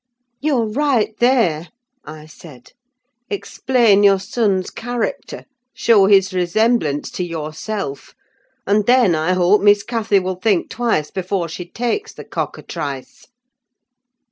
"You're right there!" I said; "explain your son's character. Show his resemblance to yourself: and then, I hope, Miss Cathy will think twice before she takes the cockatrice!"